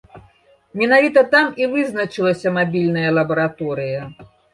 Менавіта там і вызначылася мабільная лабараторыя.